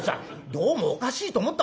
どうもおかしいと思った。